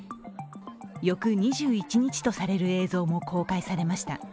翌２１日とされる映像も公開されました。